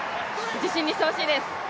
自信にしてほしいです。